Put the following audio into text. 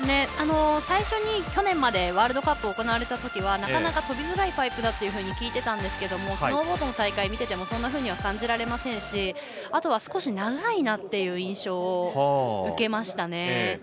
最初に去年までワールドカップが行われていたときはなかなかとびづらいパイプだと聞いていたんですがスノーボードの大会を見ててもそんなふうには感じられませんしあとは、少し長いなという印象を受けましたね。